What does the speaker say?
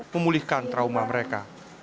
memulihkan trauma mereka